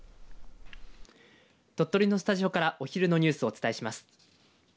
鳥取のスタジオからお昼のニュースをお伝えします。